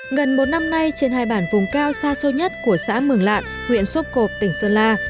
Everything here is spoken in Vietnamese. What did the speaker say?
gần một năm nay trên hai bản vùng cao xa xôi nhất của xã mường lạn huyện sốp cộp tỉnh sơn la